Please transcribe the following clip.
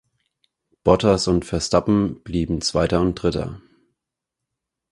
Bottas und Verstappen blieben Zweiter und Dritter.